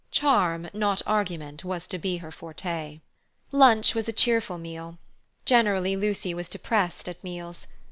Charm, not argument, was to be her forte. Lunch was a cheerful meal. Generally Lucy was depressed at meals.